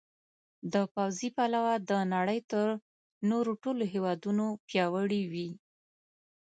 له پوځي پلوه د نړۍ تر نورو ټولو هېوادونو پیاوړي وي.